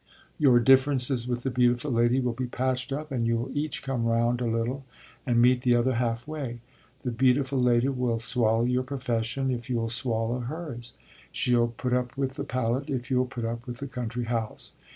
Your differences with the beautiful lady will be patched up and you'll each come round a little and meet the other halfway. The beautiful lady will swallow your profession if you'll swallow hers. She'll put up with the palette if you'll put up with the country house.